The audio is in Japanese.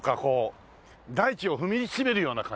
大地を踏みしめるような感じの。